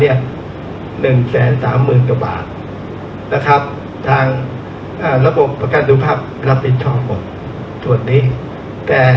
สิทธิ์ระบบประกันสุขภาพรับผิดทรอบหมด